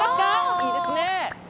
いいですね。